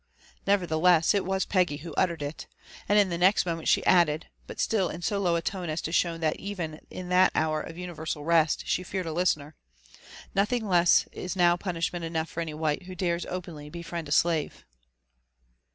Nevertheless, it was Peggy who uttered it ; and in the next moment she added, but still in so low a tone as to show that even in that hour of universal rest she feared a listener, " Nothing less is now punishment enough for any white who dares openly to be friend a slave."